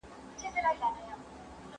شاګرد د مقالې د ښه والي لپاره هره هڅه کوي.